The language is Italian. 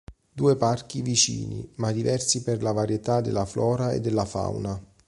Due parchi vicini ma diversi per la varietà della flora e della fauna.